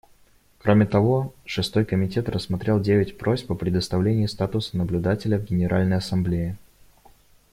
Кроме того, Шестой комитет рассмотрел девять просьб о предоставлении статуса наблюдателя в Генеральной Ассамблее.